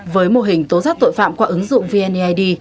với mô hình tố giác tội phạm qua ứng dụng vneid